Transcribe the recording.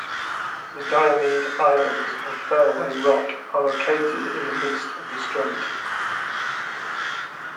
The Diomede Islands and Fairway Rock are located in the midst of the strait.